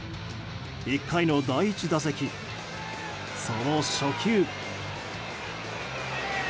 １回の第１打席、その初球。